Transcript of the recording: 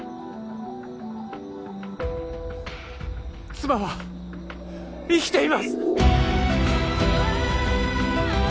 妻は生きています！